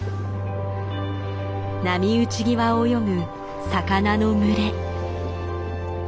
波打ち際を泳ぐ魚の群れ。